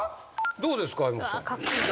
どうですか江本さん。